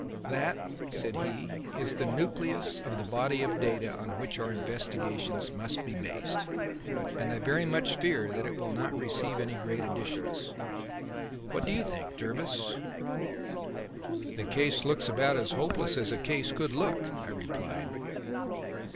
"That," said he, "is the nucleus of the body of data on which our investigations must be based; and I very much fear that it will not receive any great additions. What do you think, Jervis?" "The case looks about as hopeless as a case could look," I replied.